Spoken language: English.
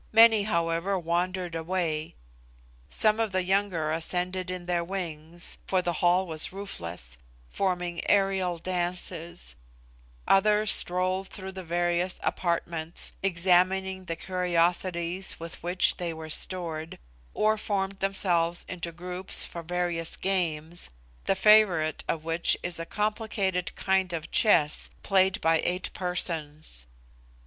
Many, however, wandered away: some of the younger ascended in their wings, for the hall was roofless, forming aerial dances; others strolled through the various apartments, examining the curiosities with which they were stored, or formed themselves into groups for various games, the favourite of which is a complicated kind of chess played by eight persons.